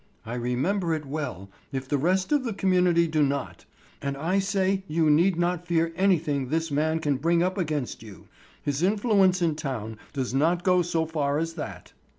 I remember it well, if the rest of the community do not, and I say you need not fear anything this man can bring up against you. His influence in town does not go so far as that."